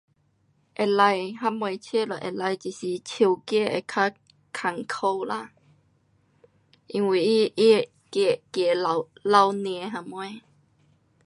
可以。什么车都可以。只是手 gear 会较困苦啦。因为它，它的 gear, gear 落,落岭什么。